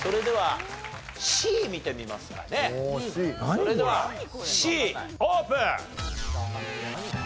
それではＣオープン！